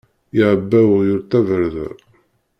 Iɛebba uɣyul tabarda.